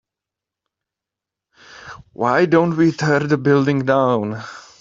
why don't we tear the building down?